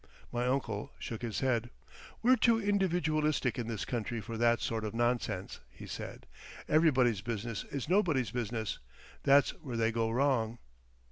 My uncle shook his head. "We're too individualistic in this country for that sort of nonsense," he said "Everybody's business is nobody's business. That's where they go wrong."